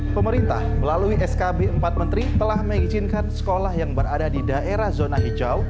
pemerintah melalui skb empat menteri telah mengizinkan sekolah yang berada di daerah zona hijau